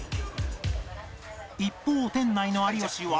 一方店内の有吉は